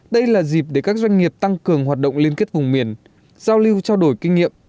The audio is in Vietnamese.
đây là dịp để các doanh nghiệp tăng cường hoạt động liên kết vùng miền giao lưu trao đổi kinh nghiệm